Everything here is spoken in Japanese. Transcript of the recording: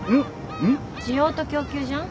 んっ？需要と供給じゃん？